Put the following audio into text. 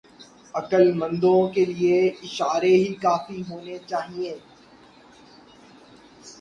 عقلمندوں کے لئے اشارے ہی کافی ہونے چاہئیں۔